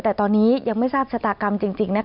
แต่ตอนนี้ยังไม่ทราบชะตากรรมจริง